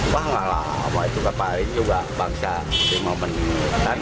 wah nggak lama itu kemarin juga bangsa lima menit